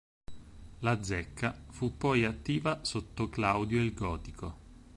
La zecca fu poi attiva sotto Claudio il Gotico.